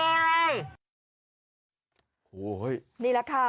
โอ้โฮนี่แหละค่ะ